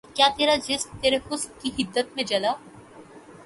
کیا ترا جسم ترے حسن کی حدت میں جلا